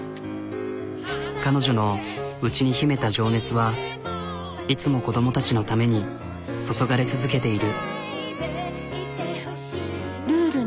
彼女の内に秘めた情熱はいつも子供たちのために注がれ続けている。